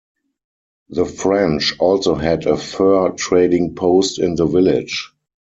The French also had a fur trading post in the village.